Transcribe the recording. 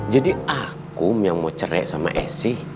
jadi akum yang mau cerai sama esi